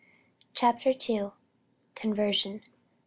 CHAPTER II. CONVERSION.